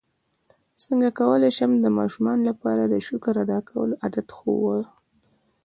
څنګه کولی شم د ماشومانو لپاره د شکر ادا کولو عادت ښوول